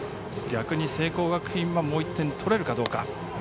逆に聖光学院はもう１点取れるかどうか。